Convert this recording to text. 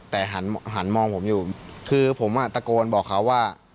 แต่หันมองผมอยู่คือผมตะโกนบอกเขาว่า